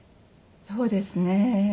そうですね。